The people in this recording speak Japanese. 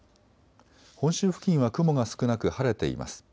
本州付近は雲が少なく晴れています。